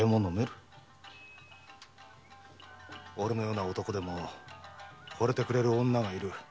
おれのような男でも惚れてくれる女がいる。